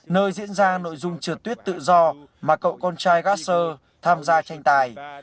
nơi diễn ra nội dung trượt tuyết tự do mà cậu con trai gasser tham gia tranh tài